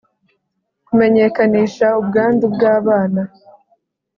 kumenyekanisha ubwandu bw’abana: